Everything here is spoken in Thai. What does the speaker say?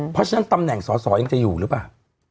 เพราะฉะนั้นตำแหน่งสอสอยังจะอยู่หรือเปล่า